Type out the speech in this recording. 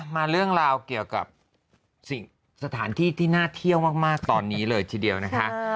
มาเรื่องราวเกี่ยวกับสถานที่ที่น่าเที่ยวมากตอนนี้เลยทีเดียวนะคะ